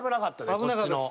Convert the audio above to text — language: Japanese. こっちの。